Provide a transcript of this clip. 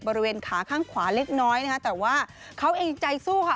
บริเวณขาข้างขวาเล็กน้อยนะคะแต่ว่าเขาเองใจสู้ค่ะ